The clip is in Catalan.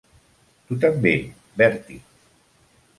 Tu també, Bertie.